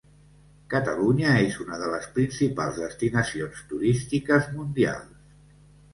Catalunya és una de les principals destinacions turístiques mundials.